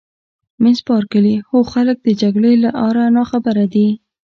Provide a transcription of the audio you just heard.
مس بارکلي: هو خلک د جګړې له آره ناخبره دي.